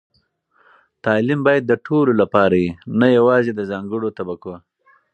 تعلیم باید د ټولو لپاره وي، نه یوازې د ځانګړو طبقو.